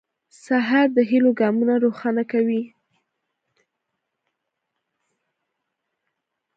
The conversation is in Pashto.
سهار د هيلو ګامونه روښانه کوي.